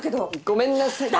ごめんなさい